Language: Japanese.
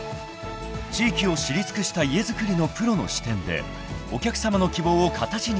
［地域を知り尽くした家づくりのプロの視点でお客さまの希望を形にする］